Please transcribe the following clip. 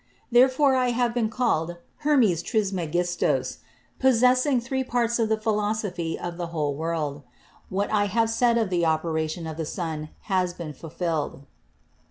"Therefore I have been called Hermes Trismegistos, possessing three parts of the philosophy of the whole world. "What I have said of the operation of the sun has been fulfilled."